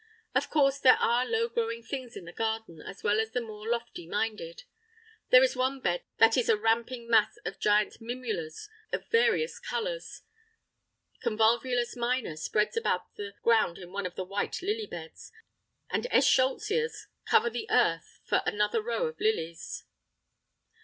Of course, there are low growing things in the garden as well as the more lofty minded. There is one bed that is a ramping mass of giant mimulus of various colours. Convolvulus minor spreads about the ground in one of the white lily beds; and eschscholtzias cover the earth for another row of lilies.